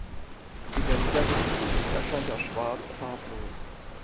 In der Negativ-Kopie erscheint das Schwarz farblos.